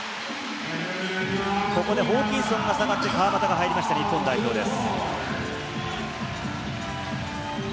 ここでホーキンソンが下がって、川真田が入りました、日本代表です。